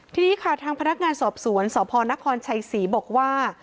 ทีนี้ค่ะทางพนักงานสอบสวนสพนครชัยศรีบอกว่า